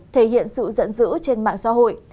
thể hiện sự giận dữ trên mạng xã hội